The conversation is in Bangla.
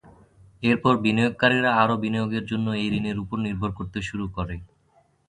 এরপর বিনিয়োগকারীরা আরও বিনিয়োগের জন্য এই ঋণের ওপর নির্ভর করতে শুরু করে।